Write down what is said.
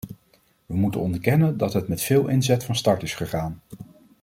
We moeten onderkennen dat het met veel inzet van start is gegaan.